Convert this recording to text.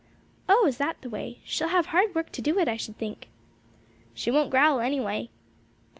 "Oh, is that the way? she'll have hard work to do it, I should think." "She won't growl any way."